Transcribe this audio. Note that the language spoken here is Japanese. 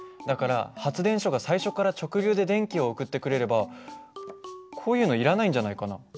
だから発電所が最初から直流で電気を送ってくれればこういうのいらないんじゃないかな。